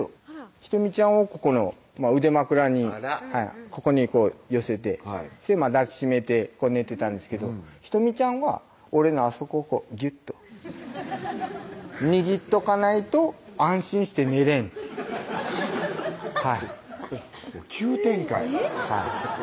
仁美ちゃんをここの腕枕にここに寄せて抱き締めて寝てたんですけど仁美ちゃんは俺のあそこをぎゅっと握っとかないと安心して寝れんって急展開えっ？